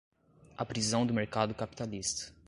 a prisão do mercado capitalista